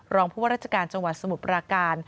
รองผู้ว่าราชการจังหวัดสมุทรปราการ